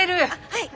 はい。